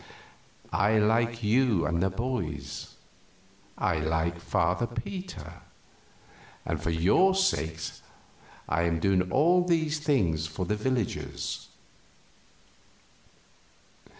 I like you and the boys, I like Father Peter, and for your sakes I am doing all these things for the villagers."